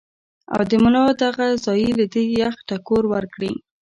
او د ملا دغه ځائے له دې يخ ټکور ورکړي -